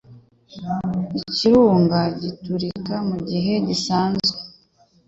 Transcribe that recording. Ikirunga giturika mugihe gisanzwe.